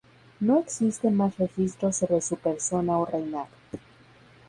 No existen más registros sobre su persona o reinado.